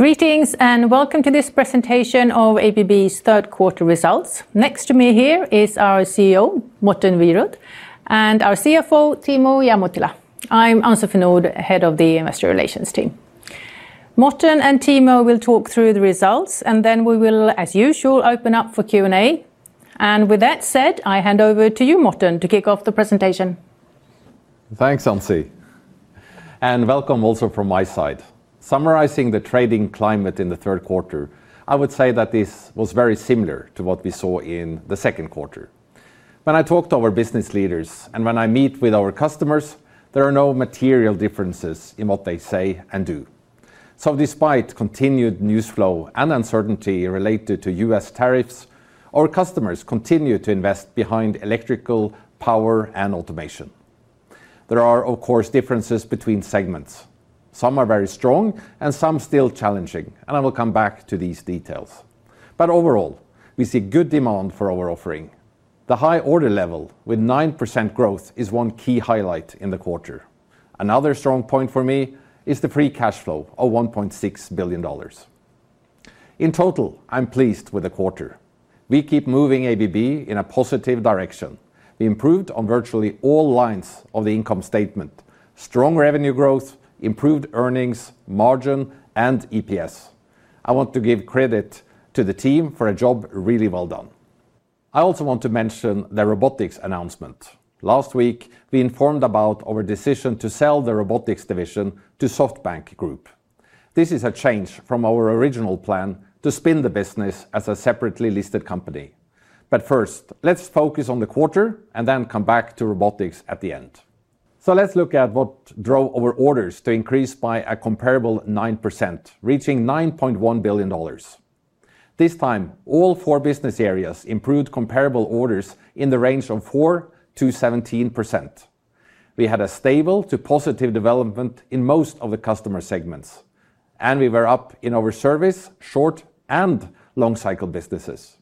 Greetings and welcome to this presentation of ABB's third quarter results. Next to me here is our CEO, Morten Wierod, and our CFO, Timo Ihamuotila. I'm Ann-Sofie Nordh, Head of the Investor Relations team. Morten and Timo will talk through the results, and we will, as usual, open up for Q&A. With that said, I hand over to you, Morten, to kick off the presentation. Thanks, Ann-Sofie. Welcome also from my side. Summarizing the trading climate in the third quarter, I would say that this was very similar to what we saw in the second quarter. When I talk to our business leaders and when I meet with our customers, there are no material differences in what they say and do. Despite continued news flow and uncertainty related to U.S. tariffs, our customers continue to invest behind electrical, power, and automation. There are, of course, differences between segments. Some are very strong and some still challenging, and I will come back to these details. Overall, we see good demand for our offering. The high order level with 9% growth is one key highlight in the quarter. Another strong point for me is the free cash flow of $1.6 billion. In total, I'm pleased with the quarter. We keep moving ABB in a positive direction. We improved on virtually all lines of the income statement: strong revenue growth, improved earnings, margin, and EPS. I want to give credit to the team for a job really well done. I also want to mention the Robotics announcement. Last week, we informed about our decision to sell the Robotics division to SoftBank Group. This is a change from our original plan to spin the business as a separately listed company. First, let's focus on the quarter and then come back to Robotics at the end. Let's look at what drove our orders to increase by a comparable 9%, reaching $9.1 billion. This time, all four business areas improved comparable orders in the range of 4%-17%. We had a stable to positive development in most of the customer segments, and we were up in our service, short, and long-cycle businesses.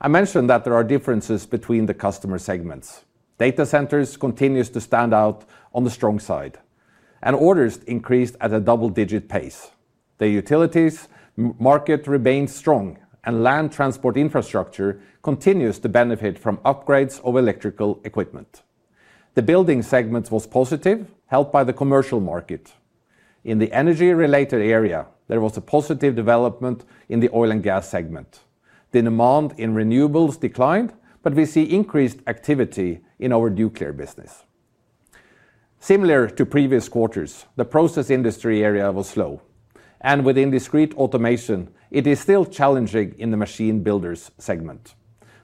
I mentioned that there are differences between the customer segments. Data centers continue to stand out on the strong side, and orders increased at a double-digit pace. The utilities market remains strong, and land transport infrastructure continues to benefit from upgrades of electrical equipment. The building segment was positive, helped by the commercial market. In the energy-related area, there was a positive development in the Oil and Gas segment. The demand in renewables declined, but we see increased activity in our nuclear business. Similar to previous quarters, the process industry area was slow, and within discrete automation, it is still challenging in the machine builders' segment.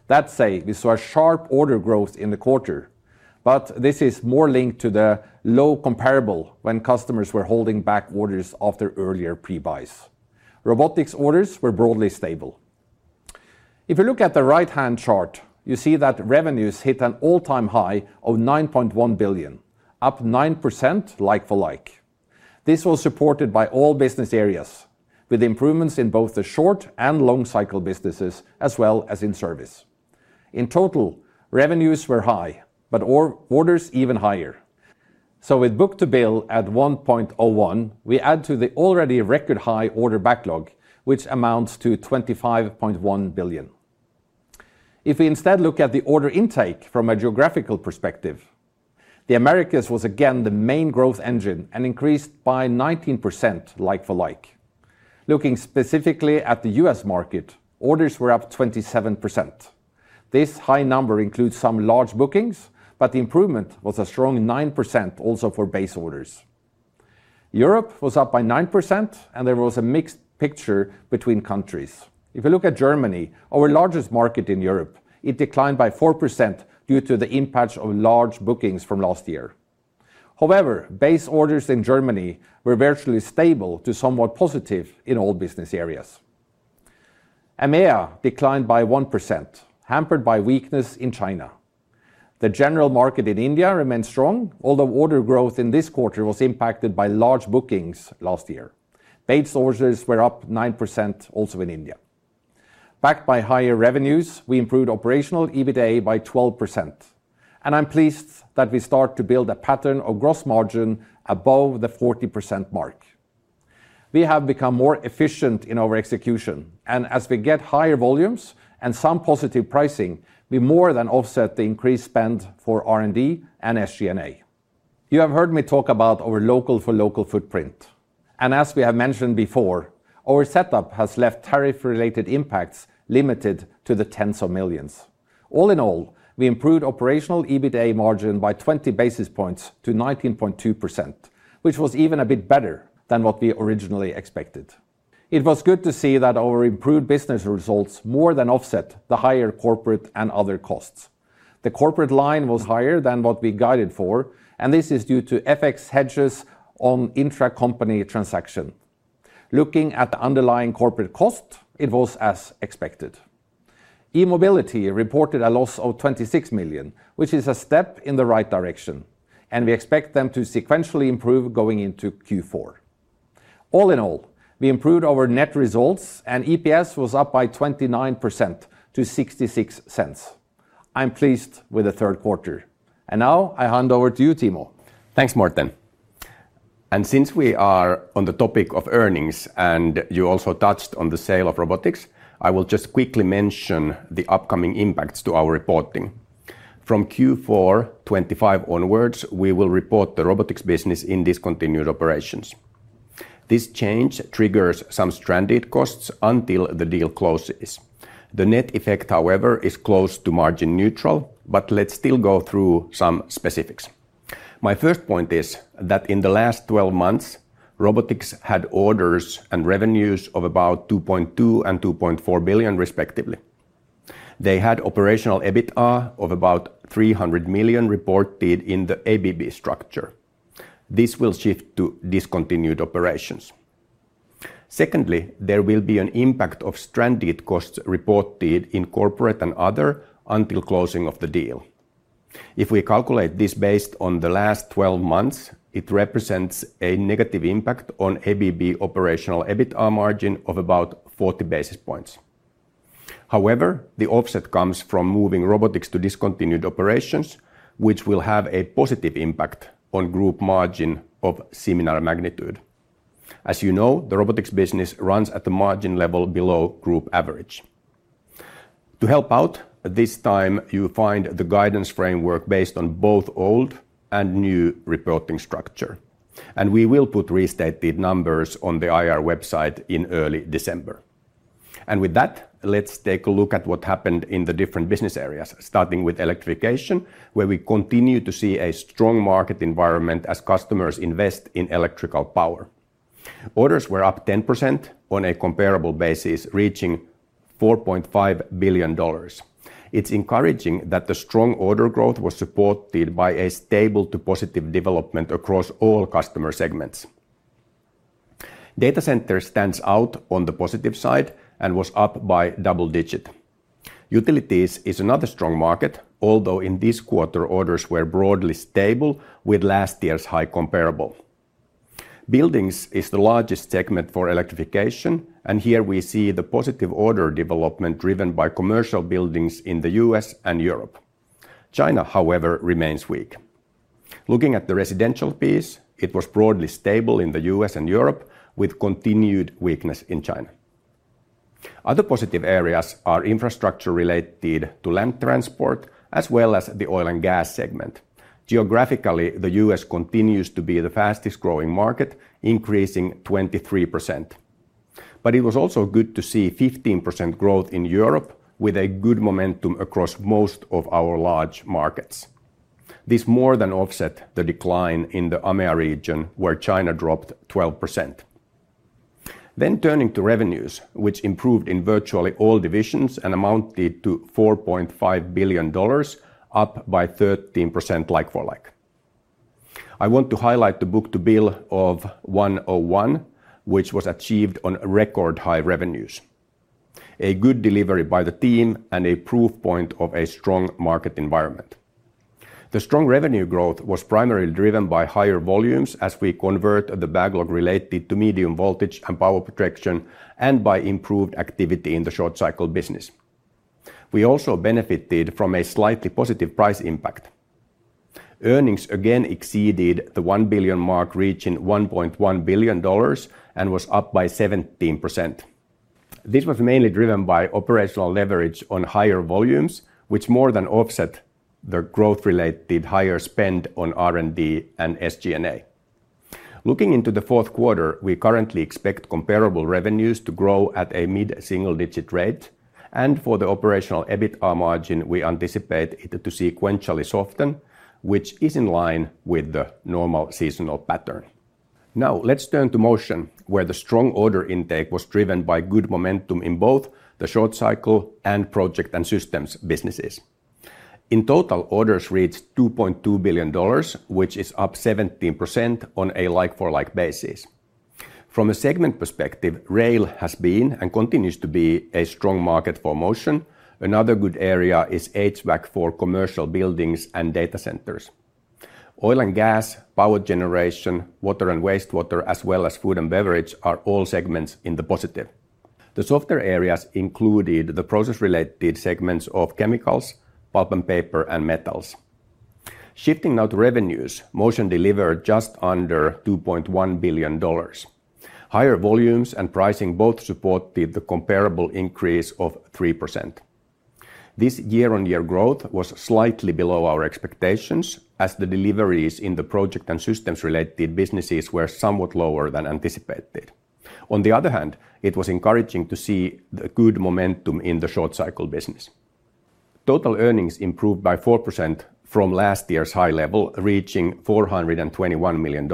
That said, we saw a sharp order growth in the quarter, but this is more linked to the low comparable when customers were holding back orders after earlier pre-buys. Robotics orders were broadly stable. If you look at the right-hand chart, you see that revenues hit an all-time high of $9.1 billion, up 9% like for like. This was supported by all business areas, with improvements in both the short and long-cycle businesses, as well as in service. In total, revenues were high, but orders even higher. With book-to-bill at $1.01 billion, we add to the already record-high order backlog, which amounts to $25.1 billion. If we instead look at the order intake from a geographical perspective, the Americas was again the main growth engine and increased by 19% like for like. Looking specifically at the U.S. market, orders were up 27%. This high number includes some large bookings, but the improvement was a strong 9% also for base orders. Europe was up by 9%, and there was a mixed picture between countries. If you look at Germany, our largest market in Europe, it declined by 4% due to the impact of large bookings from last year. However, base orders in Germany were virtually stable to somewhat positive in all business areas. EMEA declined by 1%, hampered by weakness in China. The general market in India remains strong, although order growth in this quarter was impacted by large bookings last year. Base orders were up 9% also in India. Backed by higher revenues, we improved operational EBITDA by 12%, and I'm pleased that we start to build a pattern of gross margin above the 40% mark. We have become more efficient in our execution, and as we get higher volumes and some positive pricing, we more than offset the increased spend for R&D and SG&A. You have heard me talk about our local-for-local footprint, and as we have mentioned before, our setup has left tariff-related impacts limited to the tens of millions. All in all, we improved operational EBITDA margin by 20 basis points to 19.2%, which was even a bit better than what we originally expected. It was good to see that our improved business results more than offset the higher corporate and other costs. The corporate line was higher than what we guided for, and this is due to FX hedges on intracompany transactions. Looking at the underlying corporate cost, it was as expected. E-mobility reported a loss of $26 million, which is a step in the right direction, and we expect them to sequentially improve going into Q4. All in all, we improved our net results, and EPS was up by 29% to $0.66. I'm pleased with the third quarter, and now I hand over to you, Timo. Thanks, Morten. Since we are on the topic of earnings, and you also touched on the sale of Robotics, I will just quickly mention the upcoming impacts to our reporting. From Q4 2025 onwards, we will report the robotics business in discontinued operations. This change triggers some stranded costs until the deal closes. The net effect, however, is close to margin neutral, but let's still go through some specifics. My first point is that in the last 12 months, robotics had orders and revenues of about $2.2 billion and $2.4 billion, respectively. They had operational EBITDA of about $300 million reported in the ABB structure. This will shift to discontinued operations. Secondly, there will be an impact of stranded costs reported in corporate and other until closing of the deal. If we calculate this based on the last 12 months, it represents a negative impact on ABB operational EBITDA margin of about 40 basis points. However, the offset comes from moving robotics to discontinued operations, which will have a positive impact on group margin of similar magnitude. As you know, the Robotics business runs at the margin level below group average. To help out, this time you find the guidance framework based on both old and new reporting structure, and we will put restated numbers on the IR website in early December. With that, let's take a look at what happened in the different business areas, starting with electrification, where we continue to see a strong market environment as customers invest in electrical power. Orders were up 10% on a comparable basis, reaching $4.5 billion. It's encouraging that the strong order growth was supported by a stable to positive development across all customer segments. Data centers stand out on the positive side and were up by double digits. Utilities is another strong market, although in this quarter, orders were broadly stable with last year's high comparable. Buildings is the largest segment for electrification, and here we see the positive order development driven by commercial buildings in the U.S. and Europe. China, however, remains weak. Looking at the residential piece, it was broadly stable in the U.S. and Europe, with continued weakness in China. Other positive areas are infrastructure related to land transport, as well as the Oil and Gas segment. Geographically, the U.S. continues to be the fastest growing market, increasing 23%. It was also good to see 15% growth in Europe, with good momentum across most of our large markets. This more than offset the decline in the EMEA region, where China dropped 12%. Turning to revenues, which improved in virtually all divisions and amounted to $4.5 billion, up by 13% like for like. I want to highlight the book-to-bill of $1.01 billion, which was achieved on record-high revenues. A good delivery by the team and a proof point of a strong market environment. The strong revenue growth was primarily driven by higher volumes as we convert the backlog related to medium voltage and power protection, and by improved activity in the short-cycle business. We also benefited from a slightly positive price impact. Earnings again exceeded the $1 billion mark, reaching $1.1 billion, and was up by 17%. This was mainly driven by operational leverage on higher volumes, which more than offset the growth-related higher spend on R&D and SG&A. Looking into the fourth quarter, we currently expect comparable revenues to grow at a mid-single-digit rate, and for the operational EBITDA margin, we anticipate it to sequentially soften, which is in line with the normal seasonal pattern. Now let's turn to motion, where the strong order intake was driven by good momentum in both the short cycle and project and systems businesses. In total, orders reached $2.2 billion, which is up 17% on a like-for-like basis. From a segment perspective, rail has been and continues to be a strong market for motion. Another good area is HVAC for commercial buildings and data centers. Oil and Gas, Power Generation, Water and Wastewater, as well as Food and Beverage, are all segments in the positive. The softer areas included the process-related segments of chemicals, pulp and paper, and metals. Shifting now to revenues, motion delivered just under $2.1 billion. Higher volumes and pricing both supported the comparable increase of 3%. This year-on-year growth was slightly below our expectations, as the deliveries in the project and systems-related businesses were somewhat lower than anticipated. On the other hand, it was encouraging to see the good momentum in the short-cycle business. Total earnings improved by 4% from last year's high level, reaching $421 million.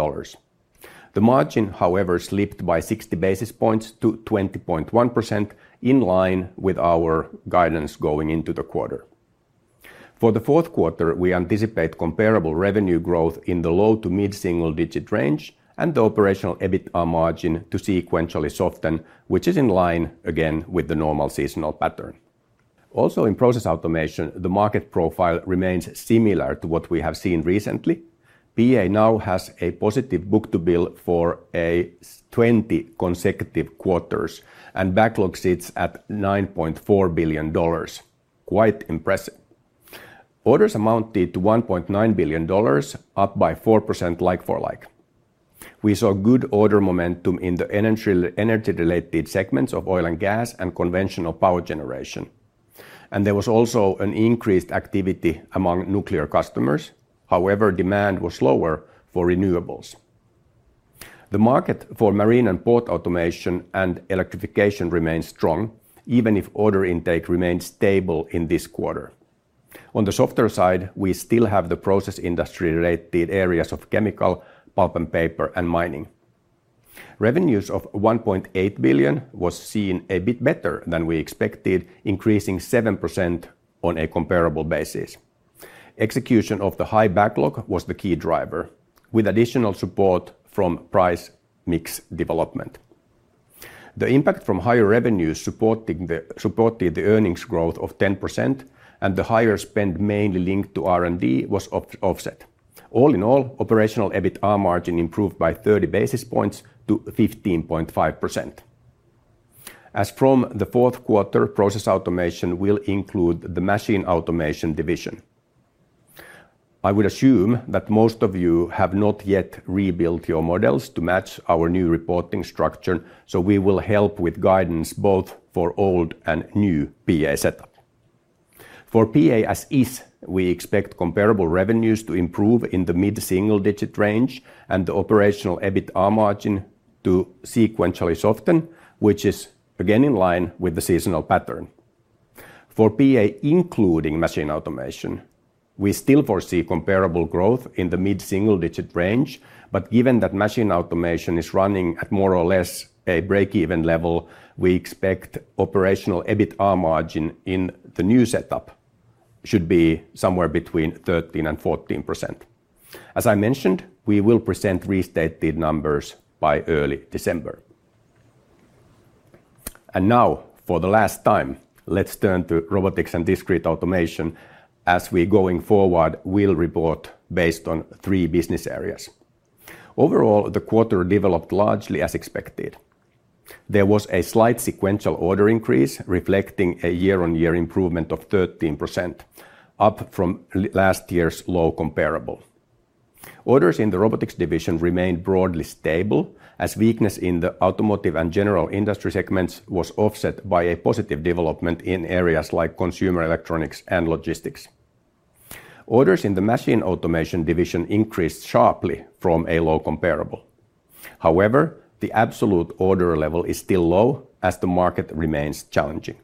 The margin, however, slipped by 60 basis points to 20.1%, in line with our guidance going into the quarter. For the fourth quarter, we anticipate comparable revenue growth in the low to mid-single-digit range, and the operational EBITDA margin to sequentially soften, which is in line again with the normal seasonal pattern. Also in process automation, the market profile remains similar to what we have seen recently. PA now has a positive book-to-bill for 20 consecutive quarters, and backlog sits at $9.4 billion. Quite impressive. Orders amounted to $1.9 billion, up by 4% like for like. We saw good order momentum in the energy-related segments of Oil and Gas and Conventional Power Generation, and there was also an increased activity among nuclear customers. However, demand was lower for renewables. The market for Marine and Port Automation and Electrification remains strong, even if order intake remains stable in this quarter. On the softer side, we still have the process industry-related areas of chemical, pulp and paper, and mining. Revenues of $1.8 billion were seen a bit better than we expected, increasing 7% on a comparable basis. Execution of the high backlog was the key driver, with additional support from price mix development. The impact from higher revenues supported the earnings growth of 10%, and the higher spend mainly linked to R&D was offset. All in all, operational EBITDA margin improved by 30 basis points to 15.5%. As from the fourth quarter, process automation will include the Machine Automation division. I would assume that most of you have not yet rebuilt your models to match our new reporting structure, so we will help with guidance both for old and new PA setup. For PA as is, we expect comparable revenues to improve in the mid-single-digit range, and the operational EBITDA margin to sequentially soften, which is again in line with the seasonal pattern. For PA including Machine Automation, we still foresee comparable growth in the mid-single-digit range, but given that Machine Automation is running at more or less a break-even level, we expect operational EBITDA margin in the new setup should be somewhere between 13% and 14%. As I mentioned, we will present restated numbers by early December. Now, for the last time, let's turn to Robotics and Discrete Automation, as we going forward will report based on three business areas. Overall, the quarter developed largely as expected. There was a slight sequential order increase, reflecting a year-on-year improvement of 13%, up from last year's low comparable. Orders in the Robotics division remained broadly stable, as weakness in the Automotive and General industry segments was offset by a positive development in areas like Consumer Electronics and Logistics. Orders in the Machine Automation division increased sharply from a low comparable. However, the absolute order level is still low, as the market remains challenging.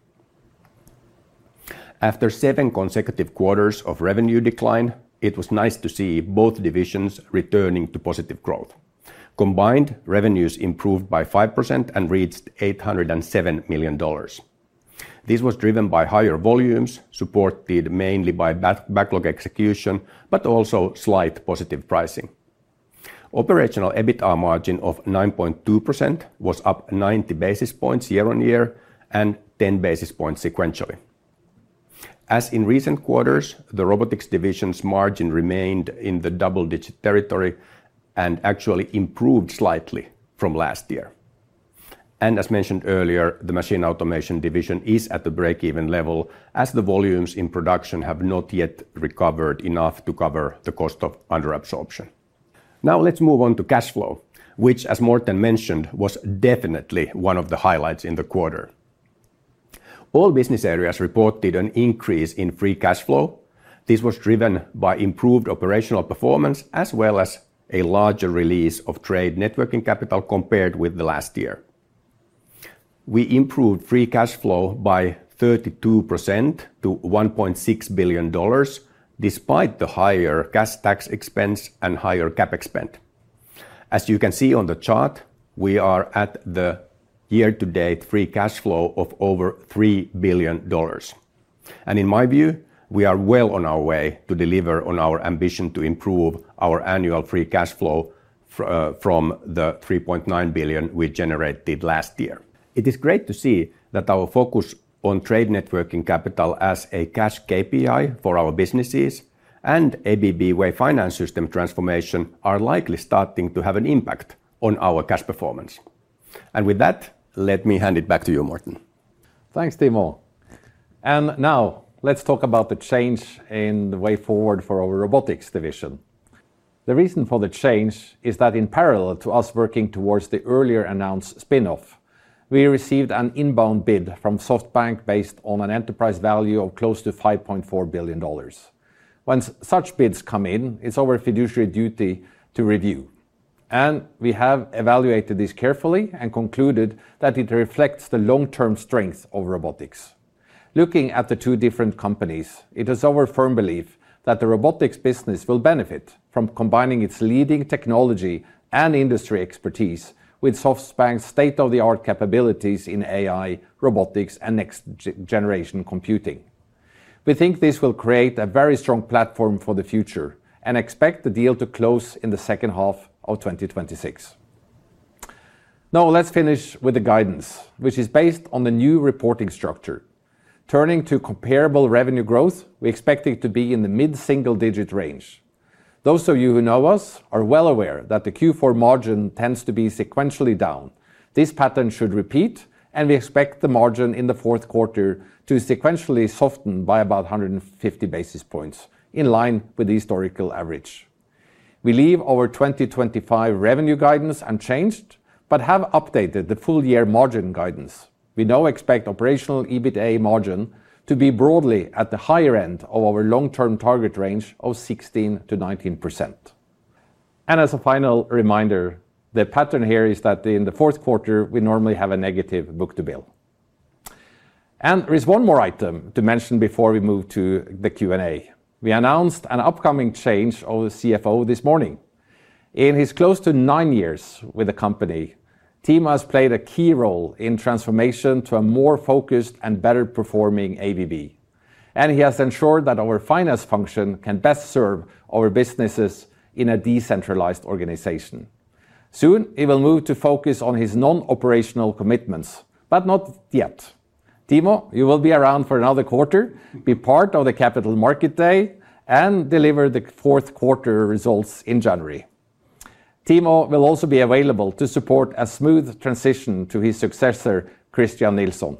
After seven consecutive quarters of revenue decline, it was nice to see both divisions returning to positive growth. Combined revenues improved by 5% and reached $807 million. This was driven by higher volumes, supported mainly by backlog execution, but also slight positive pricing. Operational EBITDA margin of 9.2% was up 90 basis points year-on-year and 10 basis points sequentially. As in recent quarters, the robotics division's margin remained in the double-digit territory and actually improved slightly from last year. As mentioned earlier, the Machine Automation division is at the break-even level, as the volumes in production have not yet recovered enough to cover the cost of under-absorption. Now let's move on to cash flow, which, as Morten mentioned, was definitely one of the highlights in the quarter. All business areas reported an increase in free cash flow. This was driven by improved operational performance, as well as a larger release of trade networking capital compared with last year. We improved free cash flow by 32% to $1.6 billion, despite the higher cash tax expense and higher CapEx spend. As you can see on the chart, we are at the year-to-date free cash flow of over $3 billion. In my view, we are well on our way to deliver on our ambition to improve our annual free cash flow from the $3.9 billion we generated last year. It is great to see that our focus on trade networking capital as a cash KPI for our businesses and ABB Wave Finance System Transformation are likely starting to have an impact on our cash performance. With that, let me hand it back to you, Morten. Thanks, Timo. Now let's talk about the change in the way forward for our Robotics division. The reason for the change is that in parallel to us working towards the earlier announced spin-off, we received an inbound bid from SoftBank-based on an enterprise value of close to $5.4 billion. Once such bids come in, it's our fiduciary duty to review. We have evaluated this carefully and concluded that it reflects the long-term strength of Robotics. Looking at the two different companies, it is our firm belief that the Robotics business will benefit from combining its leading technology and industry expertise with SoftBank Group's state-of-the-art capabilities in AI, Robotics, and next-generation computing. We think this will create a very strong platform for the future and expect the deal to close in the second half of 2026. Now let's finish with the guidance, which is based on the new reporting structure. Turning to comparable revenue growth, we expect it to be in the mid-single-digit range. Those of you who know us are well aware that the Q4 margin tends to be sequentially down. This pattern should repeat, and we expect the margin in the fourth quarter to sequentially soften by about 150 basis points, in line with the historical average. We leave our 2025 revenue guidance unchanged but have updated the full-year margin guidance. We now expect operational EBITDA margin to be broadly at the higher end of our long-term target range of 16%-19%. As a final reminder, the pattern here is that in the fourth quarter, we normally have a negative book-to-bill. There is one more item to mention before we move to the Q&A. We announced an upcoming change of the CFO this morning. In his close to nine years with the company, Timo has played a key role in transformation to a more focused and better performing ABB. He has ensured that our finance function can best serve our businesses in a decentralized organization. Soon, he will move to focus on his non-operational commitments, but not yet. Timo, you will be around for another quarter, be part of the Capital Market Day, and deliver the fourth quarter results in January. Timo will also be available to support a smooth transition to his successor, Christian Nilsson.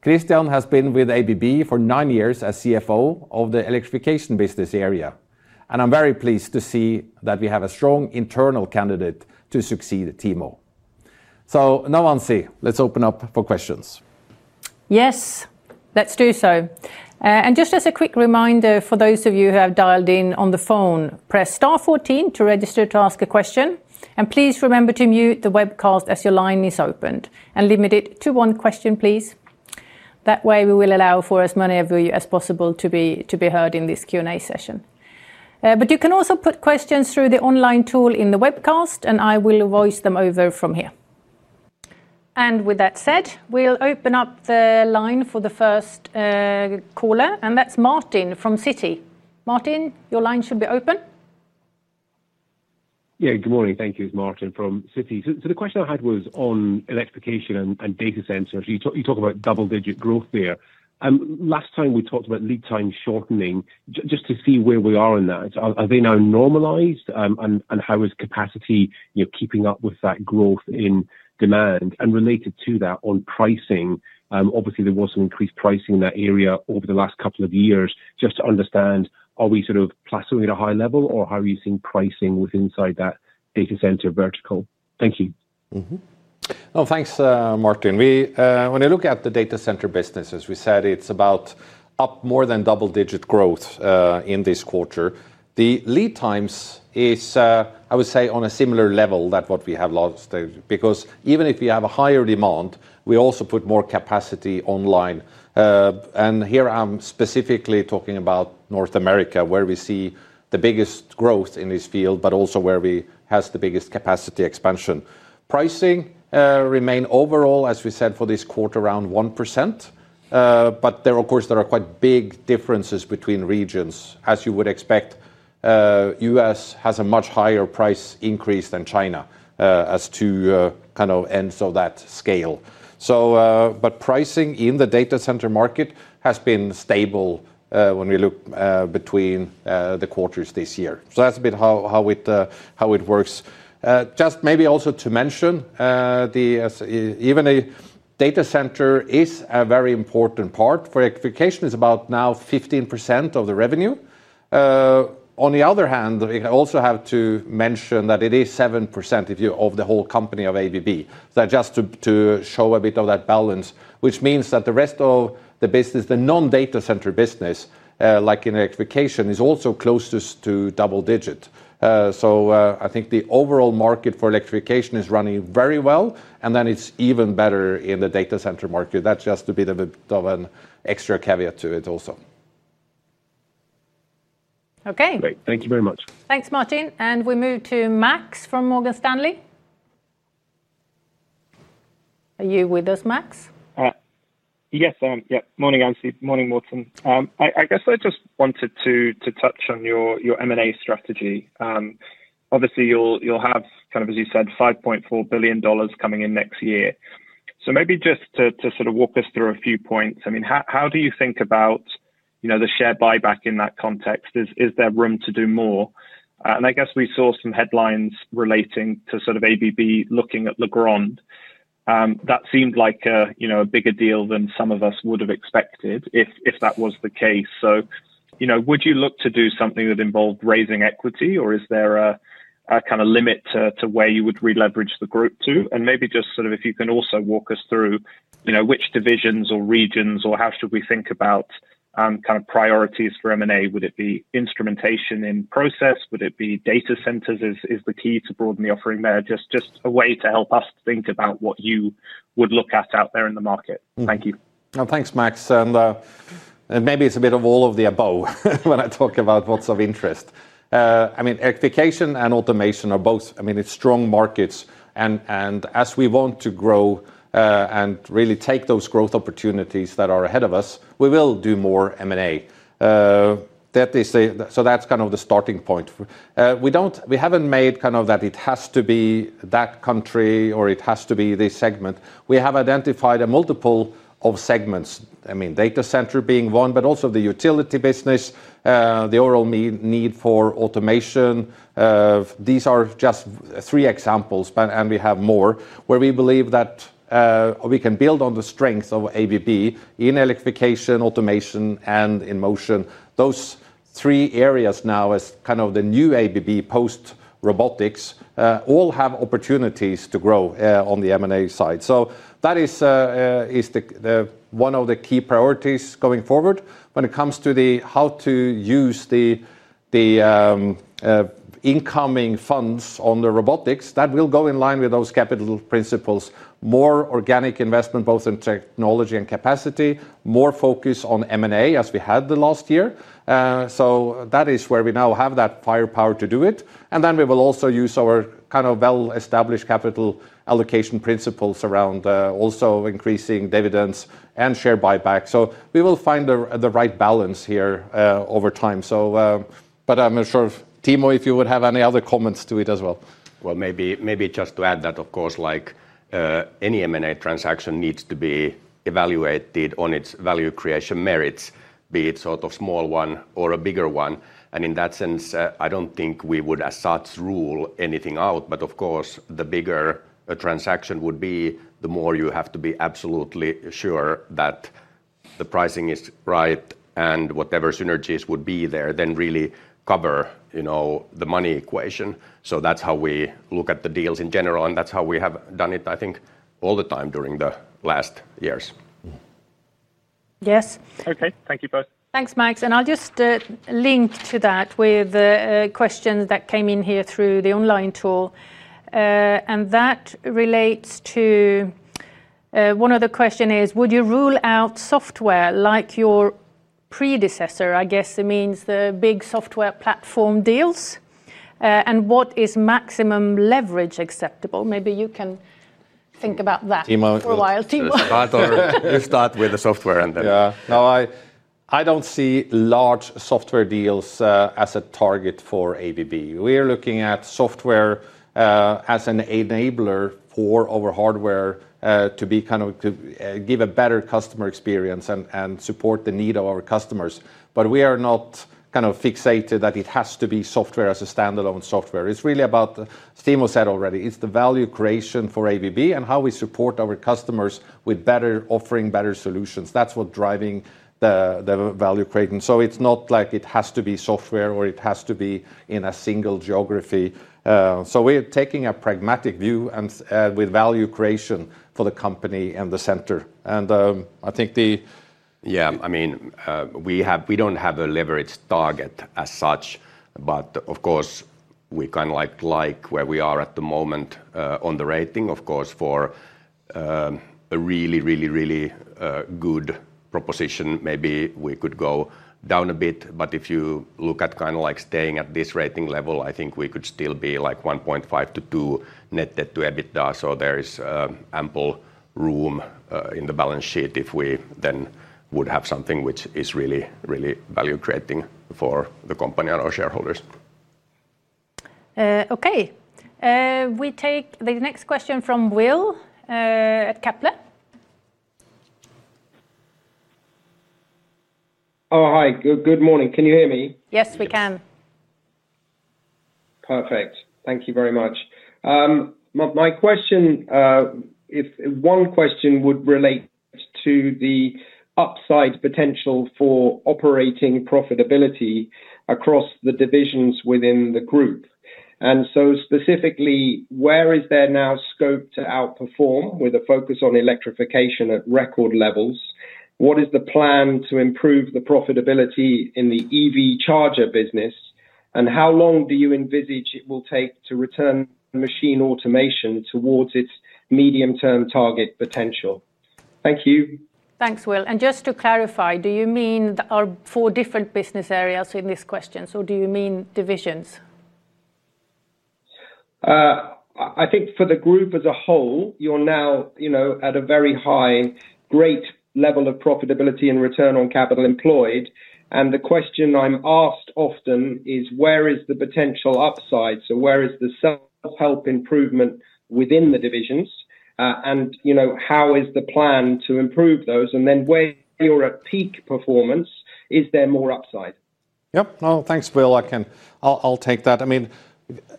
Christian has been with ABB for nine years as CFO of the electrification business area, and I'm very pleased to see that we have a strong internal candidate to succeed Timo. Now, Ann-Sofie, let's open up for questions. Yes, let's do so. Just as a quick reminder for those of you who have dialed in on the phone, press star fourteen to register to ask a question. Please remember to mute the webcast as your line is opened and limit it to one question, please. That way, we will allow for as many of you as possible to be heard in this Q&A session. You can also put questions through the online tool in the webcast, and I will voice them over from here. With that said, we'll open up the line for the first caller, and that's Martin from Citi. Martin, your line should be open. Yeah, good morning. Thank you, Martin from Citi. The question I had was on electrification and data centers. You talk about double-digit growth there. Last time we talked about lead time shortening, just to see where we are in that. Are they now normalized? How is capacity keeping up with that growth in demand? Related to that, on pricing, obviously there was some increased pricing in that area over the last couple of years. Just to understand, are we sort of plateauing at a high level? How are you seeing pricing within that data center vertical? Thank you. Thanks, Martin. When you look at the data center business, as we said, it's up more than double-digit growth in this quarter. The lead times are, I would say, on a similar level to what we have lost. Because even if we have a higher demand, we also put more capacity online. Here I'm specifically talking about North America, where we see the biggest growth in this field, but also where we have the biggest capacity expansion. Pricing remains, overall, as we said, for this quarter, around 1%. There are, of course, quite big differences between regions. As you would expect, the U.S. has a much higher price increase than China as to kind of ends of that scale. Pricing in the data center market has been stable when we look between the quarters this year. That's a bit how it works. Just maybe also to mention, even a data center is a very important part for electrification. It's about now 15% of the revenue. On the other hand, we also have to mention that it is 7% of the whole company of ABB. Just to show a bit of that balance, which means that the rest of the business, the non-data center business, like in electrification, is also close to double digits. I think the overall market for electrification is running very well. It's even better in the data center market. That's just a bit of an extra caveat to it also. OK. Great. Thank you very much. Thanks, Martin. We move to Max from Morgan Stanley. Are you with us, Max? Yes, I am. Yeah, morning, Ann-Sofie. Morning, Morten. I just wanted to touch on your M&A strategy. Obviously, you'll have kind of, as you said, $5.4 billion coming in next year. Maybe just to sort of walk us through a few points. I mean, how do you think about the share buyback in that context? Is there room to do more? I guess we saw some headlines relating to ABB looking at Legrand. That seemed like a bigger deal than some of us would have expected if that was the case. Would you look to do something that involved raising equity? Is there a kind of limit to where you would re-leverage the group to? Maybe just sort of if you can also walk us through which divisions or regions or how should we think about priorities for M&A? Would it be instrumentation in process? Would it be data centers as the key to broaden the offering there? Just a way to help us think about what you would look at out there in the market. Thank you. Thanks, Max. Maybe it's a bit of all of the above when I talk about lots of interest. I mean, Electrification and Automation are both, I mean, it's strong markets. As we want to grow and really take those growth opportunities that are ahead of us, we will do more M&A. That's kind of the starting point. We haven't made kind of that it has to be that country or it has to be this segment. We have identified a multiple of segments. I mean, Data Center being one, but also the utility business, the overall need for automation. These are just three examples, and we have more, where we believe that we can build on the strengths of ABB in electrification, automation, and in motion. Those three areas now as kind of the new ABB post-robotics all have opportunities to grow on the M&A side. That is one of the key priorities going forward. When it comes to how to use the incoming funds on the robotics, that will go in line with those capital principles. More organic investment, both in technology and capacity, more focus on M&A as we had the last year. That is where we now have that firepower to do it. We will also use our kind of well-established capital allocation principles around also increasing dividends and share buyback. We will find the right balance here over time. I'm not sure, Timo, if you would have any other comments to it as well. Of course, like any M&A transaction needs to be evaluated on its value creation merits, be it sort of a small one or a bigger one. In that sense, I don't think we would as such rule anything out. Of course, the bigger a transaction would be, the more you have to be absolutely sure that the pricing is right and whatever synergies would be there then really cover the money equation. That's how we look at the deals in general, and that's how we have done it, I think, all the time during the last years. Yes. OK, thank you both. Thanks, Max. I'll just link to that with questions that came in here through the online tool. That relates to one of the questions: would you rule out software like your predecessor? I guess it means the big software platform deals. What is maximum leverage acceptable? Maybe you can think about that for a while, Timo. I thought we'd start with the software and then. Yeah, no, I don't see large software deals as a target for ABB. We are looking at software as an enabler for our hardware to kind of give a better customer experience and support the need of our customers. We are not kind of fixated that it has to be software as a standalone software. It's really about, as Timo said already, it's the value creation for ABB and how we support our customers with better offering, better solutions. That's what's driving the value creation. It's not like it has to be software or it has to be in a single geography. We're taking a pragmatic view with value creation for the company and the center. I think the. Yeah, I mean, we don't have a leverage target as such. Of course, we kind of like where we are at the moment on the rating. For a really, really, really good proposition, maybe we could go down a bit. If you look at kind of like staying at this rating level, I think we could still be like 1.5%-2% net debt to EBITDA. There is ample room in the balance sheet if we then would have something which is really, really value creating for the company and our shareholders. OK. We take the next question from Will at Kepler. Oh, hi. Good morning. Can you hear me? Yes, we can. Perfect. Thank you very much. My question, if one question would relate to the upside potential for operating profitability across the divisions within the group. Specifically, where is there now scope to outperform with a focus on electrification at record levels? What is the plan to improve the profitability in the EV charger business? How long do you envisage it will take to return Machine Automation towards its medium-term target potential? Thank you. Thanks, Will. Just to clarify, do you mean the four different business areas in this question? Do you mean divisions? I think for the group as a whole, you're now at a very high, great level of profitability and return on capital employed. The question I'm asked often is, where is the potential upside? Where is the self-help improvement within the divisions, and how is the plan to improve those? Where you're at peak performance, is there more upside? Thanks, Will. I'll take that.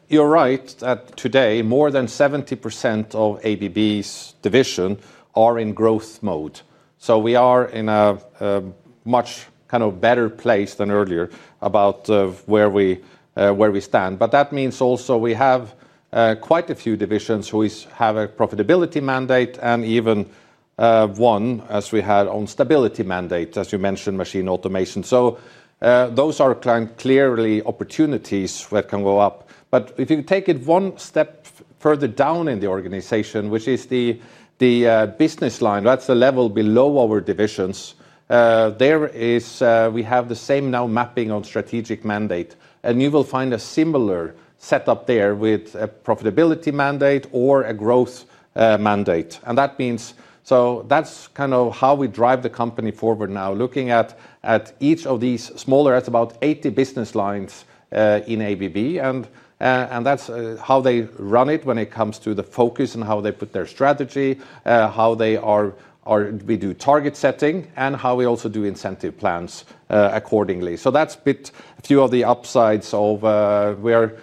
You're right that today more than 70% of ABB's divisions are in growth mode. We are in a much better place than earlier about where we stand. That means we have quite a few divisions who have a profitability mandate and even one, as we had, on stability mandates, as you mentioned, Machine Automation. Those are clearly opportunities that can go up. If you take it one step further down in the organization, which is the business line, that's the level below our divisions, we have the same mapping on strategic mandate. You will find a similar setup there with a profitability mandate or a growth mandate. That means that's how we drive the company forward now, looking at each of these smaller, it's about 80 business lines in ABB. That's how they run it when it comes to the focus and how they put their strategy, how we do target setting, and how we also do incentive plans accordingly. That's a bit a few of the upsides of where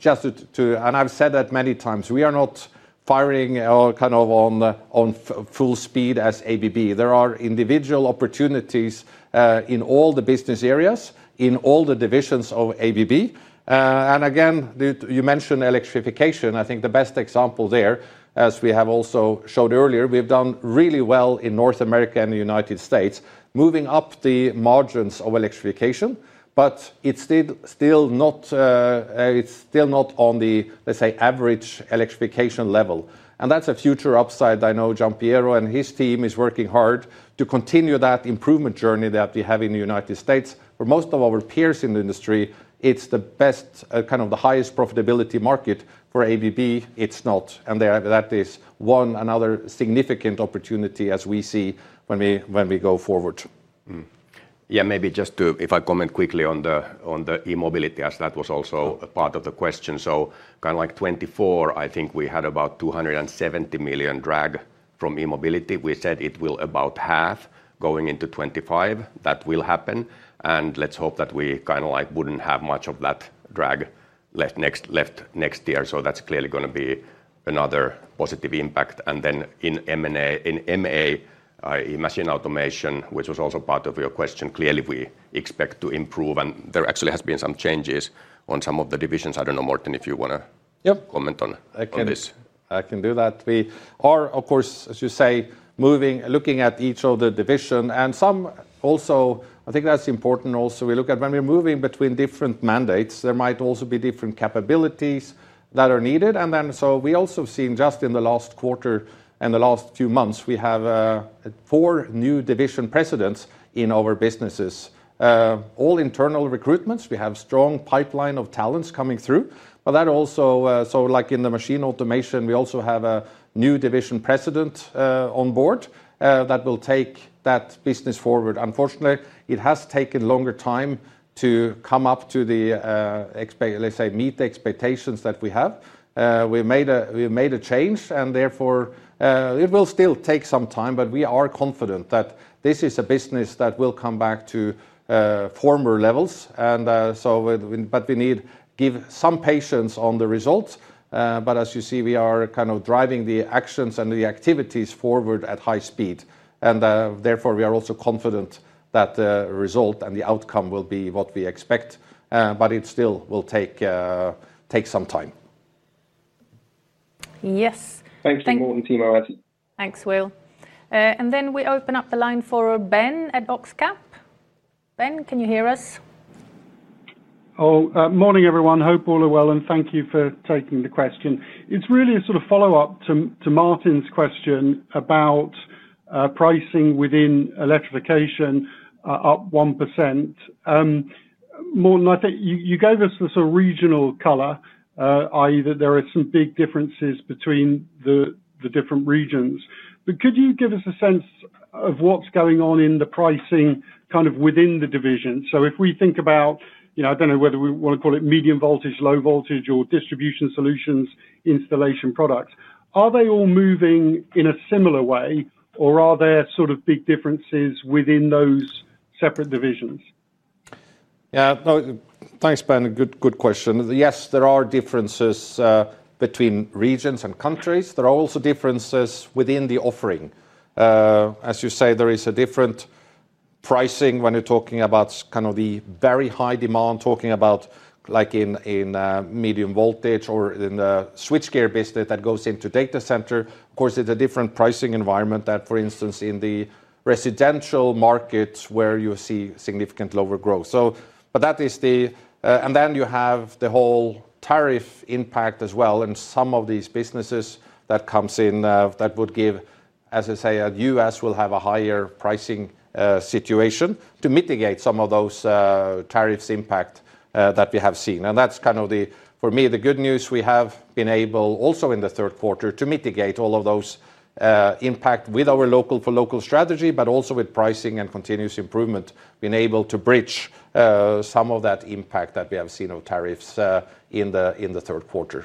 just to—I've said that many times, we are not firing on full speed as ABB. There are individual opportunities in all the business areas, in all the divisions of ABB. You mentioned electrification. I think the best example there, as we have also showed earlier, we've done really well in North America and the United States, moving up the margins of electrification. It's still not on the average electrification level. That's a future upside. I know Jean-Pierre and his team are working hard to continue that improvement journey that we have in the United States. For most of our peers in the industry, it's the highest profitability market for ABB. It's not. That is another significant opportunity as we see when we go forward. Maybe just to comment quickly on the e-mobility, as that was also a part of the question. For 2024, I think we had about $270 million drag from e-mobility. We said it will be about half going into 2025. That will happen. Let's hope that we wouldn't have much of that drag left next year. That's clearly going to be another positive impact. In M&A, in Machine Automation, which was also part of your question, clearly we expect to improve. There actually have been some changes on some of the divisions. I don't know, Morten, if you want to comment on this. I can do that. We are, of course, as you say, moving, looking at each of the divisions. I think that's important also, we look at when we're moving between different mandates, there might also be different capabilities that are needed. We have seen just in the last quarter and the last few months, we have four new division presidents in our businesses. All internal recruitments, we have a strong pipeline of talents coming through. That also, like in the Machine Automation, we also have a new division president on Board that will take that business forward. Unfortunately, it has taken a longer time to come up to, let's say, meet the expectations that we have. We made a change. It will still take some time. We are confident that this is a business that will come back to former levels. We need to give some patience on the results. As you see, we are kind of driving the actions and the activities forward at high speed. We are also confident that the result and the outcome will be what we expect. It still will take some time. Yes. Thank you, Morten and Timo as well. Thanks, Will. We open up the line for Ben at Oxcap. Ben, can you hear us? Oh, morning, everyone. Hope all are well. Thank you for taking the question. It's really a sort of follow-up to Martin's question about pricing within electrification up 1%. Morten, I think you gave us this original color, i.e. that there are some big differences between the different regions. Could you give us a sense of what's going on in the pricing kind of within the divisions? If we think about, I don't know whether we want to call it medium voltage, low voltage, or distribution solutions, installation products, are they all moving in a similar way? Are there sort of big differences within those separate divisions? Yeah, no, thanks, Ben. Good question. Yes, there are differences between regions and countries. There are also differences within the offering. As you say, there is a different pricing when you're talking about kind of the very high demand, talking about like in medium voltage or in the switchgear business that goes into Data Center. Of course, it's a different pricing environment than, for instance, in the residential markets where you see significant lower growth. That is the, and then you have the whole tariff impact as well. Some of these businesses that come in would give, as I say, the U.S. will have a higher pricing situation to mitigate some of those tariffs impact that we have seen. That's kind of, for me, the good news. We have been able, also in the third quarter, to mitigate all of those impacts with our local-for-local strategy, but also with pricing and continuous improvement, being able to bridge some of that impact that we have seen of tariffs in the third quarter.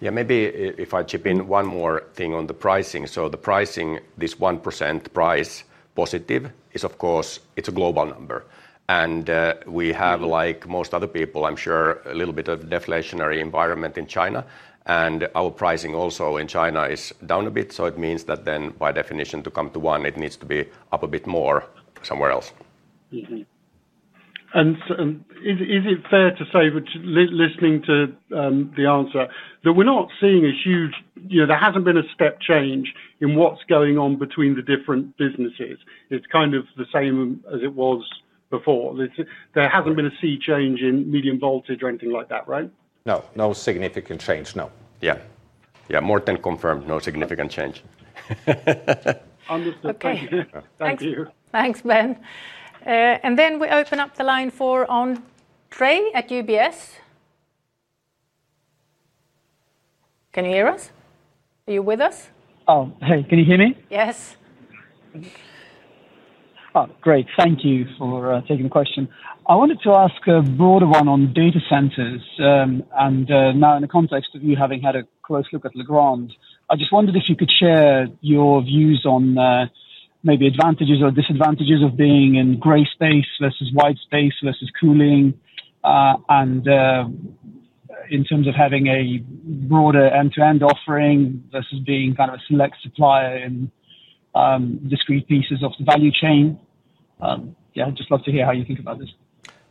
Yeah, maybe if I chip in one more thing on the pricing. The pricing, this 1% price positive, is, of course, it's a global number. We have, like most other people, I'm sure, a little bit of a deflationary environment in China. Our pricing also in China is down a bit. It means that then, by definition, to come to 1%, it needs to be up a bit more somewhere else. Is it fair to say, listening to the answer, that we're not seeing a huge change? There hasn't been a step change in what's going on between the different businesses. It's kind of the same as it was before. There hasn't been a sea change in medium voltage or anything like that, right? No, no significant change, no. Yeah, Morten confirmed no significant change. Understood. Thank you. Thank you. Thanks, Ben. We open up the line for Andre at UBS. Can you hear us? Are you with us? Hey, can you hear me? Yes. Great. Thank you for taking the question. I wanted to ask a broader one on data centers. Now, in the context of you having had a close look at Legrand, I just wondered if you could share your views on maybe advantages or disadvantages of being in gray space versus white space versus cooling, and in terms of having a broader end-to-end offering versus being kind of a select supplier in discrete pieces of the value chain. I'd just love to hear how you think about this.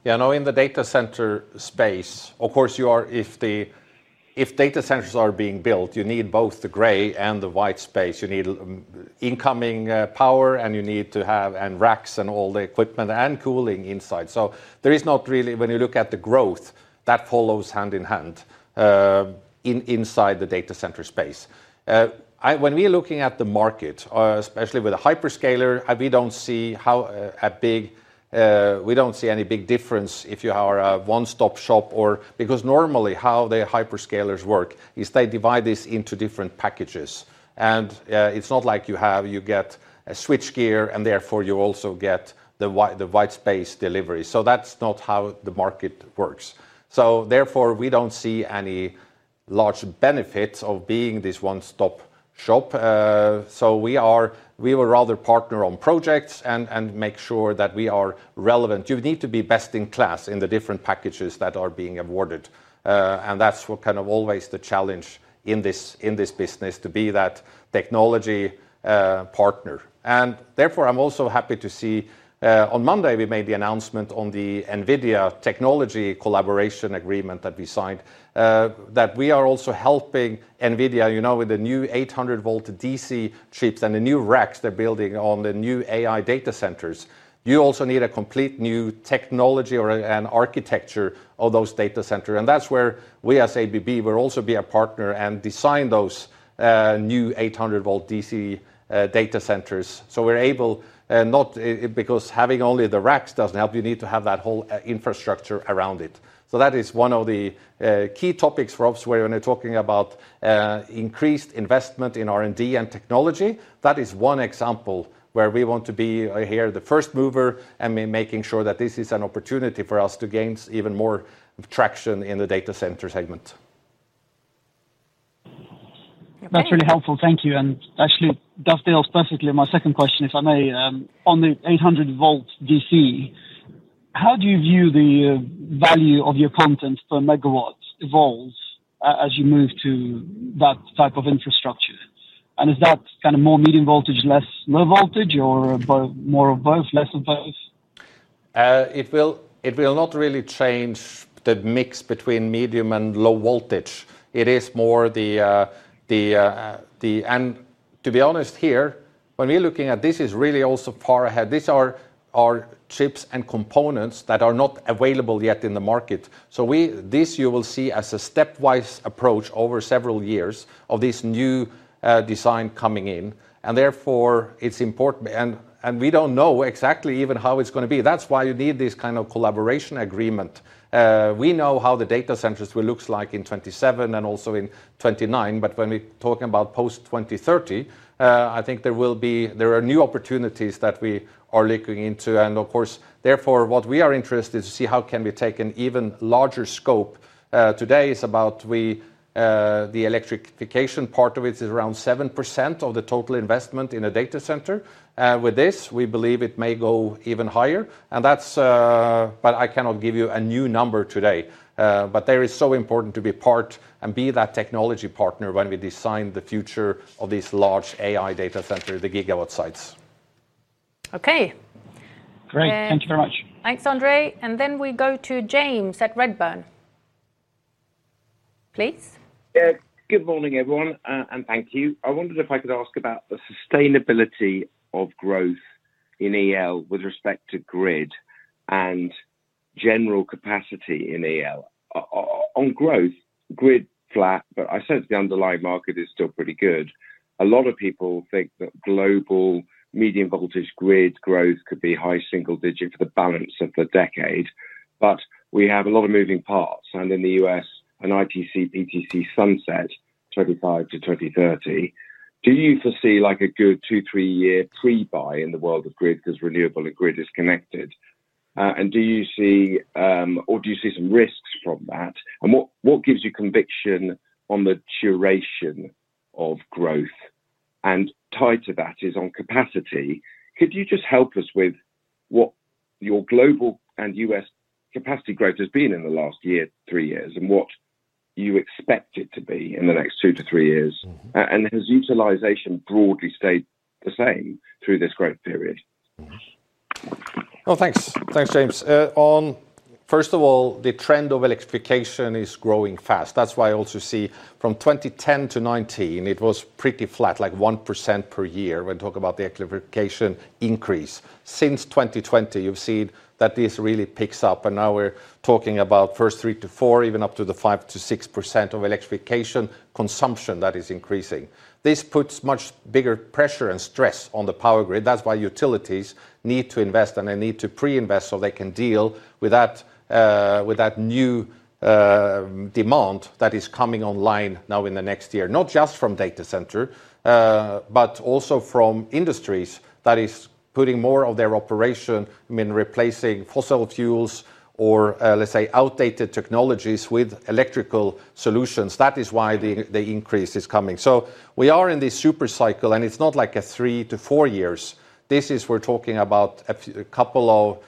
Yeah, no, in the Data Center space, of course, if data centers are being built, you need both the gray and the white space. You need incoming power, and you need to have racks and all the equipment and cooling inside. There is not really, when you look at the growth, that follows hand-in-hand inside the Data Center space. When we are looking at the market, especially with a hyperscaler, we don't see any big difference if you are a one-stop shop. Normally how the hyperscalers work is they divide this into different packages. It's not like you get a switchgear, and therefore you also get the white space delivery. That's not how the market works. Therefore, we don't see any large benefits of being this one-stop shop. We will rather partner on projects and make sure that we are relevant. You need to be best in class in the different packages that are being awarded. That's kind of always the challenge in this business, to be that technology partner. I'm also happy to see on Monday, we made the announcement on the NVIDIA technology collaboration agreement that we signed, that we are also helping NVIDIA with the new 800-volt DC chips and the new racks they're building on the new AI Data Centers. You also need a complete new technology or an architecture of those data centers. That's where we, as ABB, will also be a partner and design those new 800V DC data centers. We're able, not because having only the racks doesn't help, you need to have that whole infrastructure around it. That is one of the key topics for us, where when you're talking about increased investment in R&D and technology, that is one example where we want to be here the first mover and making sure that this is an opportunity for us to gain even more traction in the Data Center segment. That's really helpful. Thank you. It dovetails perfectly with my second question, if I may. On the 800V DC, how do you view the value of your content per megawatt evolves as you move to that type of infrastructure? Is that kind of more medium voltage, less low voltage, or more of both, less of both? It will not really change the mix between medium and low voltage. To be honest here, when we're looking at this, it is really also far ahead. These are chips and components that are not available yet in the market. You will see this as a stepwise approach over several years of this new design coming in. Therefore, it's important. We don't know exactly even how it's going to be. That's why you need this kind of collaboration agreement. We know how the data centers will look like in 2027 and also in 2029. When we're talking about post-2030, I think there are new opportunities that we are looking into. Of course, what we are interested in is to see how we can take an even larger scope. Today, the electrification part of it is around 7% of the total investment in a Data Center. With this, we believe it may go even higher. I cannot give you a new number today. It is so important to be part and be that technology partner when we design the future of these large AI Data Centers, the gigawatt sites. OK. Great. Thank you very much. Thanks, Andre. We go to James at Redburn, please. Good morning, everyone. Thank you. I wondered if I could ask about the sustainability of growth in EL with respect to grid and general capacity in EL. On growth, grid flat, but I sense the underlying market is still pretty good. A lot of people think that global medium voltage grid growth could be high single digit for the balance of the decade. We have a lot of moving parts. In the U.S., an ITC PTC sunset 2025 to 2030. Do you foresee like a good two, three-year pre-buy in the world of grid because renewable and grid is connected? Do you see some risks from that? What gives you conviction on the duration of growth? Tied to that is on capacity. Could you just help us with what your global and U.S. capacity growth has been in the last year, three years, and what you expect it to be in the next two to three years? Has utilization broadly stayed the same through this growth period? Thanks, James. First of all, the trend of electrification is growing fast. That's why I also see from 2010 to 2019, it was pretty flat, like 1% per year when we talk about the electrification increase. Since 2020, you've seen that this really picks up. Now we're talking about first 3%-4%, even up to 5%-6% of electrification consumption that is increasing. This puts much bigger pressure and stress on the power grid. That's why utilities need to invest, and they need to pre-invest so they can deal with that new demand that is coming online now in the next year, not just from data centers, but also from industries that are putting more of their operation in replacing fossil fuels or, let's say, outdated technologies with electrical solutions. That is why the increase is coming. We are in this supercycle, and it's not like three to four years. We're talking about a couple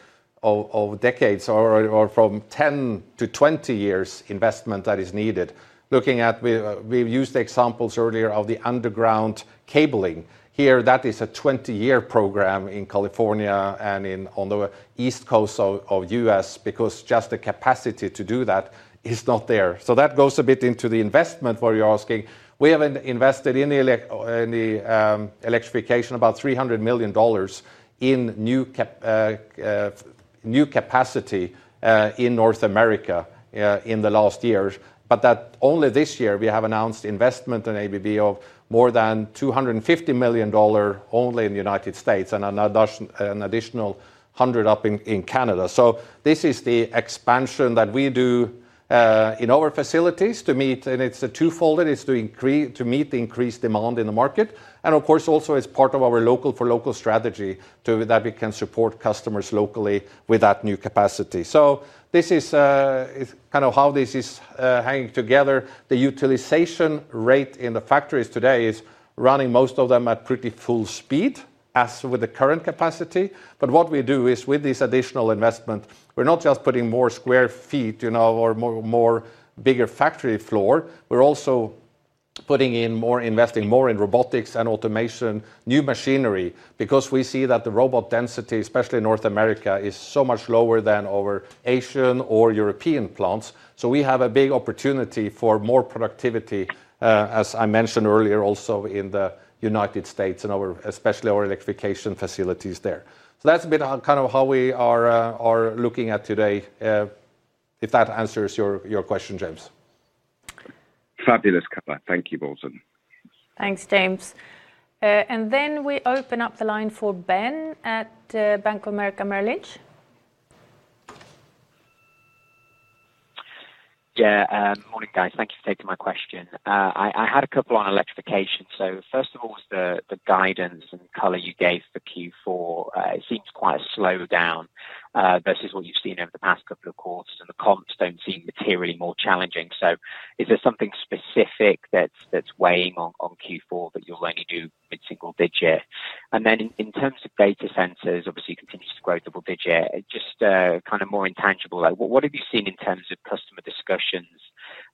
of decades or from 10 to 20 years investment that is needed. Looking at, we've used examples earlier of the underground cabling. Here, that is a 20-year program in California and on the East Coast of the U.S. because just the capacity to do that is not there. That goes a bit into the investment where you're asking. We have invested in electrification about $300 million in new capacity in North America in the last years. Only this year we have announced investment in ABB of more than $250 million only in the United States, and an additional $100 million up in Canada. This is the expansion that we do in our facilities to meet, and it's a two-fold. It is to meet the increased demand in the market. Of course, also as part of our local-for-local strategy that we can support customers locally with that new capacity. This is kind of how this is hanging together. The utilization rate in the factories today is running most of them at pretty full speed, as with the current capacity. What we do is with this additional investment, we're not just putting more square feet or more bigger factory floor. We're also putting in more, investing more in Robotics and Automation, new machinery, because we see that the robot density, especially in North America, is so much lower than our Asian or European plants. We have a big opportunity for more productivity, as I mentioned earlier, also in the United States, and especially our electrification facilities there. That's a bit kind of how we are looking at today, if that answers your question, James. Fabulous, [color]. Thank you, Morten. Thanks, James. We open up the line for Ben at Bank of America Merrill Lynch. Yeah, morning, guys. Thank you for taking my question. I had a couple on Electrification. First of all, was the guidance and color you gave for Q4. It seems quite a slowdown versus what you've seen over the past couple of quarters. The comps don't seem materially more challenging. Is there something specific that's weighing on Q4 that you'll only do mid-single digit? In terms of Data Centers, obviously, it continues to grow double digit. Just kind of more intangible, what have you seen in terms of customer discussions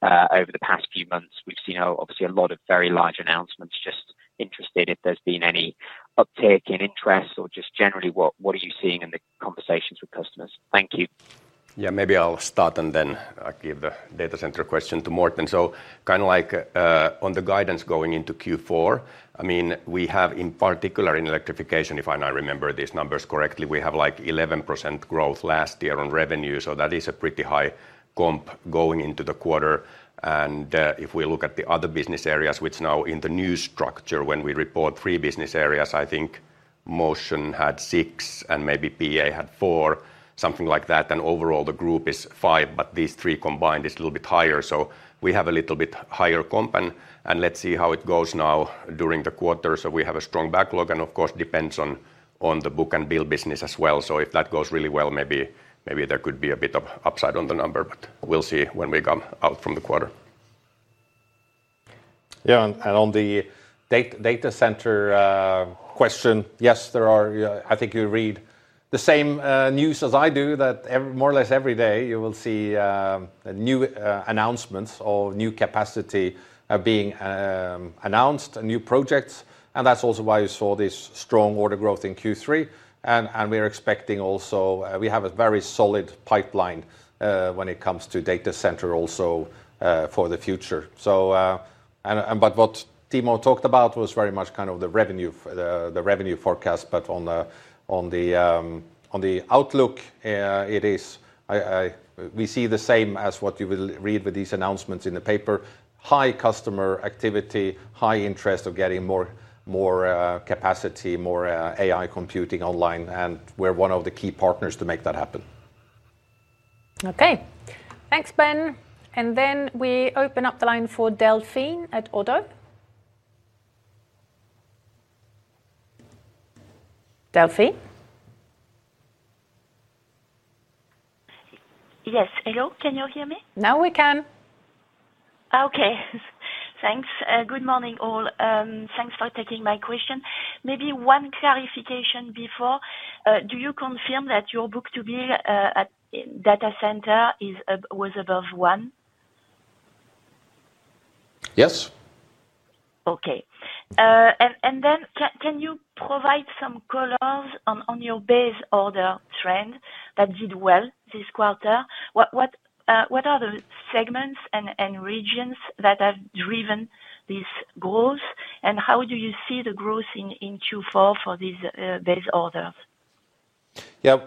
over the past few months? We've seen obviously a lot of very large announcements. Just interested if there's been any uptick in interest or just generally, what are you seeing in the conversations with customers? Thank you. Yeah, maybe I'll start and then give a data center question to Morten. On the guidance going into Q4, we have in particular in Electrification, if I now remember these numbers correctly, we have like 11% growth last year on revenue. That is a pretty high comp going into the quarter. If we look at the other business areas, which now in the new structure, when we report three business areas, I think Motion had 6% and maybe PA had 4%, something like that. Overall, the group is 5%, but these three combined is a little bit higher. We have a little bit higher comp. Let's see how it goes now during the quarter. We have a strong backlog. Of course, it depends on the book and bill business as well. If that goes really well, maybe there could be a bit of upside on the number. We'll see when we come out from the quarter. On the Data Center question, yes, there are, I think you read the same news as I do, that more or less every day you will see new announcements or new capacity being announced, new projects. That's also why you saw this strong order growth in Q3. We are expecting also, we have a very solid pipeline when it comes to data center also for the future. What Timo talked about was very much kind of the revenue forecast. On the outlook, we see the same as what you will read with these announcements in the paper. High customer activity, high interest of getting more capacity, more AI computing online. We're one of the key partners to make that happen. OK. Thanks, Ben. We open up the line for Delphine at ODDO. Delphine. Yes, hello. Can you hear me? Now we can. OK, thanks. Good morning, all. Thanks for taking my question. Maybe one clarification before. Do you confirm that your book-to-bill data center was above 1%? Yes. OK. Can you provide some colors on your base order trend that did well this quarter? What are the segments and regions that have driven this growth? How do you see the growth in Q4 for these base orders? Yeah,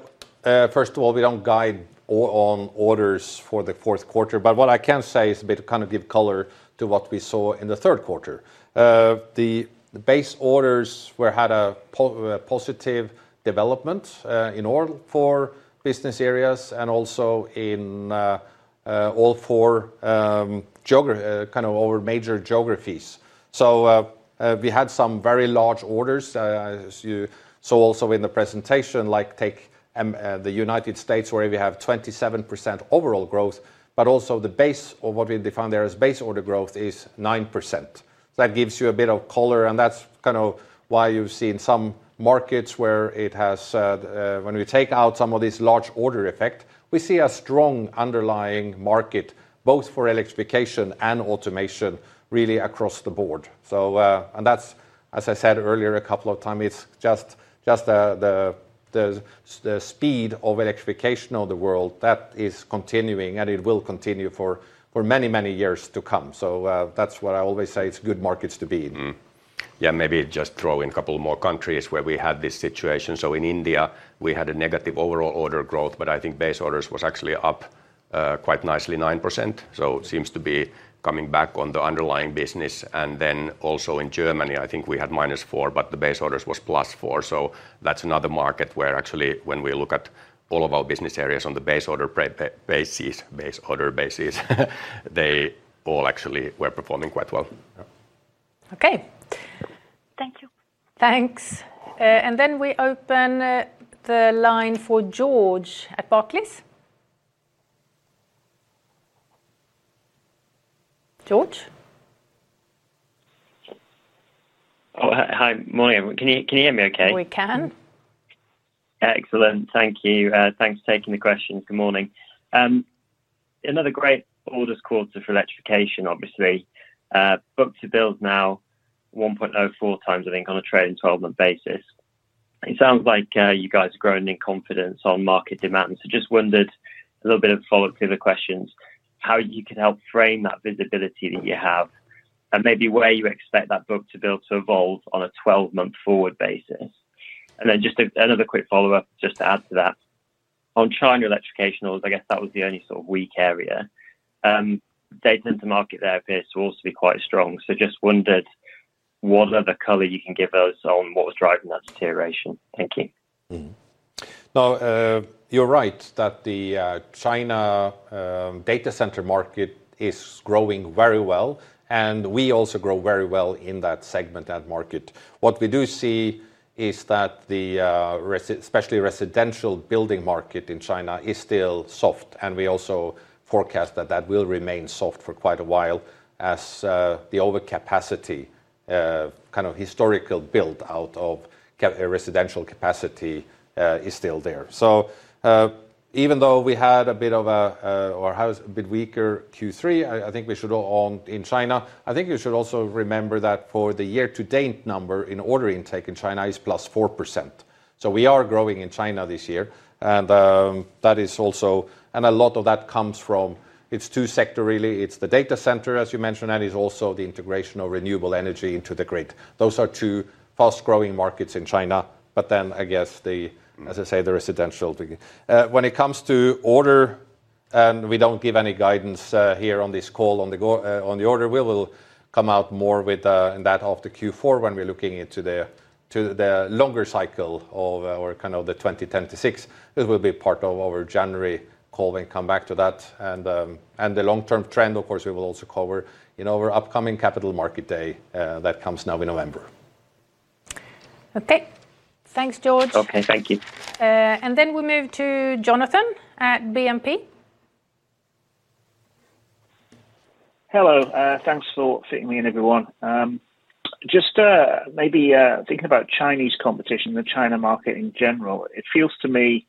first of all, we don't guide on orders for the fourth quarter. What I can say is a bit kind of give color to what we saw in the third quarter. The base orders had a positive development in all four business areas and also in all four kind of our major geographies. We had some very large orders, as you saw also in the presentation, like take the United States, where we have 27% overall growth. Also, the base of what we define there as base order growth is 9%. That gives you a bit of color. That's kind of why you've seen some markets where it has, when we take out some of these large order effects, we see a strong underlying market both for Electrification and Automation really across the Board. As I said earlier a couple of times, it's just the speed of electrification of the world that is continuing, and it will continue for many, many years to come. That's what I always say. It's good markets to be in. Yeah, maybe just throw in a couple more countries where we had this situation. In India, we had a negative overall order growth, but I think base orders was actually up quite nicely, 9%. It seems to be coming back on the underlying business. Also, in Germany, I think we had -4%, but the base orders was +4%. That's another market where actually, when we look at all of our business areas on the base order basis, they all actually were performing quite well. OK. Thank you. Thanks. We open the line for George at Barclays. George? Hi, morning. Can you hear me OK? We can. Excellent. Thank you. Thanks for taking the questions. Good morning. Another great quarter for electrification, obviously. Book-to-bills now 1.04x, I think, on a trailing 12-month basis. It sounds like you guys are growing in confidence on market demand. I just wondered, a little bit of follow-up to the questions, how you could help frame that visibility that you have and maybe where you expect that book-to-bill to evolve on a 12-month forward basis. Just another quick follow-up to add to that. On China Electrification, I guess that was the only sort of weak area. Data Center market there appears to also be quite strong. I just wondered what other color you can give us on what was driving that deterioration. Thank you. No, you're right that the China Data Center market is growing very well. We also grow very well in that segment, that market. What we do see is that the especially residential building market in China is still soft. We also forecast that that will remain soft for quite a while as the over-capacity kind of historical build out of residential capacity is still there. Even though we had a bit weaker Q3 in China, I think you should also remember that for the year-to-date number in order intake in China is +4%. We are growing in China this year. A lot of that comes from two sectors, really. It's the Data Center, as you mentioned, and it's also the integration of renewable energy into the grid. Those are two fast-growing markets in China. I guess the residential, when it comes to order, and we don't give any guidance here on this call on the order, we will come out more with that after Q4 when we're looking into the longer cycle or kind of the 2026. This will be part of our January call when we come back to that. The long-term trend, of course, we will also cover in our upcoming Capital Market Day that comes now in November. OK, thanks, George. OK, thank you. We move to Jonathan at BNP. Hello. Thanks for fitting me in, everyone. Maybe thinking about Chinese competition, the China market in general, it feels to me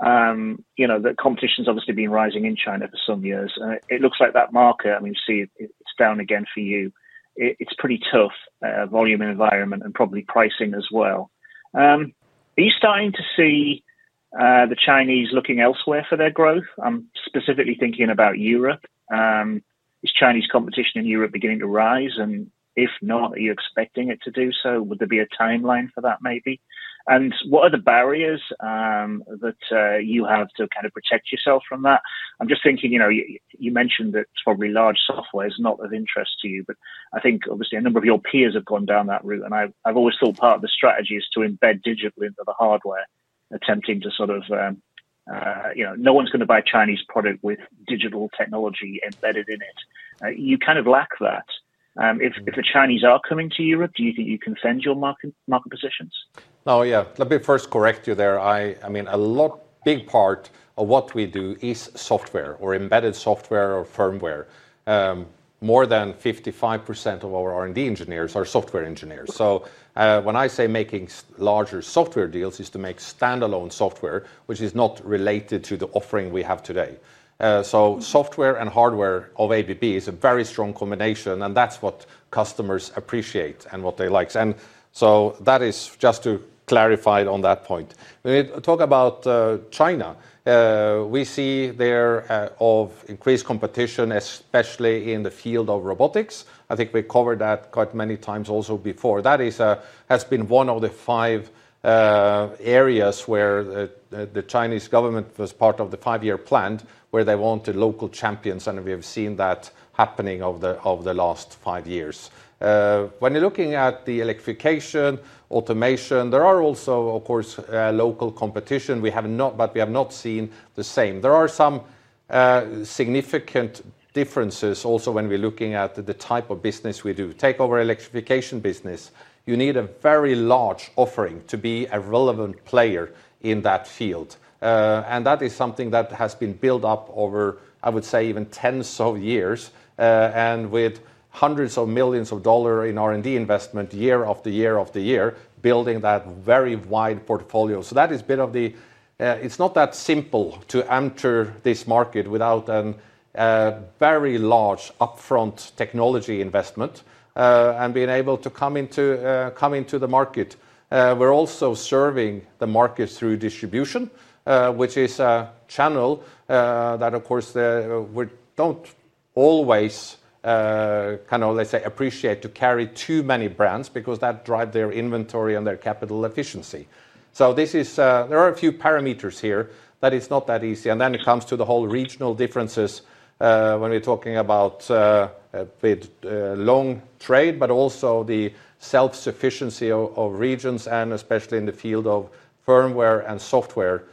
that competition has obviously been rising in China for some years. It looks like that market, I mean, you see it's down again for you. It's a pretty tough volume environment and probably pricing as well. Are you starting to see the Chinese looking elsewhere for their growth? I'm specifically thinking about Europe. Is Chinese competition in Europe beginning to rise? If not, are you expecting it to do so? Would there be a timeline for that, maybe? What are the barriers that you have to kind of protect yourself from that? You mentioned that it's probably large software is not of interest to you. I think obviously a number of your peers have gone down that route. I've always thought part of the strategy is to embed digitally into the hardware, attempting to sort of, you know, no one's going to buy a Chinese product with digital technology embedded in it. You kind of lack that. If the Chinese are coming to Europe, do you think you can fend your market positions? No, let me first correct you there. I mean, a big part of what we do is software or embedded software or firmware. More than 55% of our R&D engineers are software engineers. When I say making larger software deals, it's to make standalone software, which is not related to the offering we have today. Software and hardware of ABB is a very strong combination. That's what customers appreciate and what they like. That is just to clarify on that point. When we talk about China, we see there is increased competition, especially in the field of Robotics. I think we covered that quite many times also before. That has been one of the five areas where the Chinese government was part of the five-year plan where they wanted local champions. We have seen that happening over the last five years. When you're looking at the Electrification, Automation, there are also, of course, local competition. We have not seen the same. There are some significant differences also when we're looking at the type of business we do. Take our Electrification business. You need a very large offering to be a relevant player in that field. That is something that has been built up over, I would say, even tens of years, and with hundreds of millions of dollars in R&D investment year after year after year, building that very wide portfolio. That is a bit of the, it's not that simple to enter this market without a very large upfront technology investment and being able to come into the market. We're also serving the market through distribution, which is a channel that, of course, we don't always, let's say, appreciate to carry too many brands because that drives their inventory and their capital efficiency. There are a few parameters here that it's not that easy. It comes to the whole regional differences when we're talking about a bit long trade, but also the self-sufficiency of regions, and especially in the field of firmware and software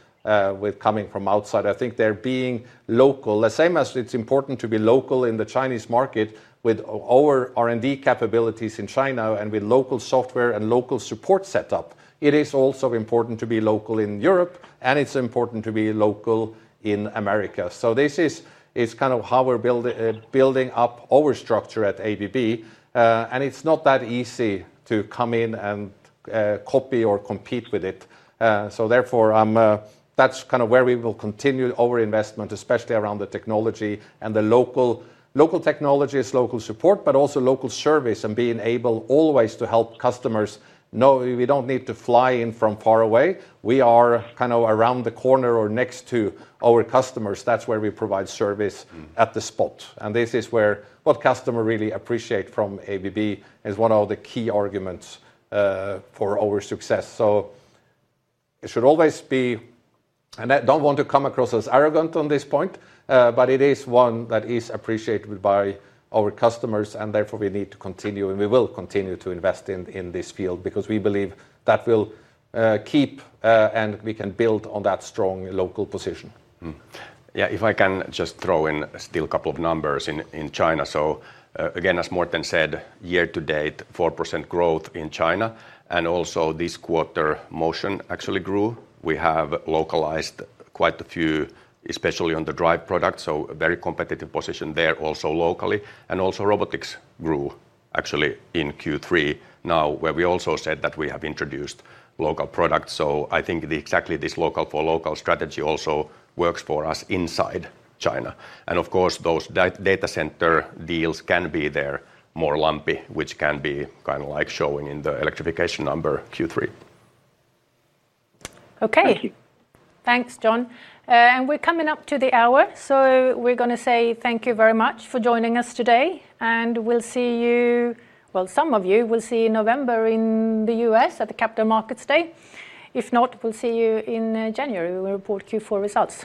with coming from outside. I think there being local, the same as it's important to be local in the Chinese market with our R&D capabilities in China and with local software and local support setup, it is also important to be local in Europe. It's important to be local in America. This is kind of how we're building up our structure at ABB. It's not that easy to come in and copy or compete with it. Therefore, that's kind of where we will continue our investment, especially around the technology and the local technologies, local support, but also local service and being able always to help customers. No, we don't need to fly in from far away. We are kind of around the corner or next to our customers. That's where we provide service at the spot. This is what customers really appreciate from ABB and is one of the key arguments for our success. It should always be, and I don't want to come across as arrogant on this point, but it is one that is appreciated by our customers. Therefore, we need to continue and we will continue to invest in this field because we believe that will keep and we can build on that strong local position. Yeah, if I can just throw in still a couple of numbers in China. As Morten said, year to date, 4% growth in China. Also this quarter, Motion actually grew. We have localized quite a few, especially on the drive product, so a very competitive position there also locally. Also, robotics grew actually in Q3 now, where we also said that we have introduced local products. I think exactly this local-for-local strategy also works for us inside China. Of course, those data center deals can be more lumpy, which can be kind of like showing in the electrification number Q3. OK. Thanks, John. We're coming up to the hour, so we're going to say thank you very much for joining us today. We'll see you, some of you, in November in the U.S. at the Capital Markets Day. If not, we'll see you in January when we report Q4 results.